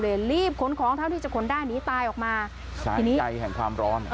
รีบขนของเท่าที่จะขนได้หนีตายออกมาสารใจแห่งความร้อน